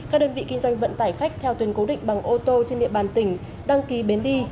các đơn vị kinh doanh vận tải khách theo tuyến cố định bằng ô tô trên địa bàn tỉnh đăng ký bến đi